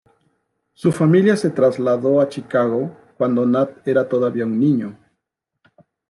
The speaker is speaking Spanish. Su familia se trasladó a Chicago cuando Nat era todavía un niño.